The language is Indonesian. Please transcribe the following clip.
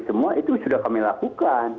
semua itu sudah kami lakukan